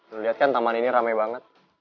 lu liat kan taman ini rame banget